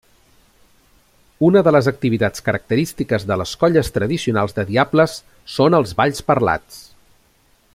Una de les activitats característiques de les colles tradicionals de diables són els balls parlats.